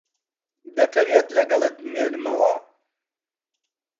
دەتەوێت لەگەڵت بمێنمەوە؟